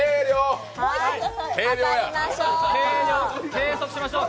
計測いきましょう。